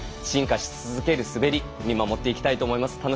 進化し続ける滑り見守っていきたいと思います